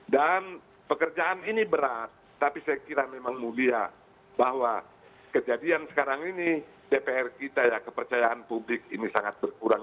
dan pekerjaan ini berat tapi saya kira memang mulia bahwa kejadian sekarang ini dpr kita ya kepercayaan publik ini sangat berkurang